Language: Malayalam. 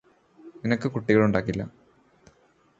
നിനക്ക് കുട്ടികളുണ്ടാകില്ല